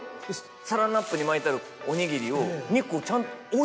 サランラップに巻いてあるおにぎりを。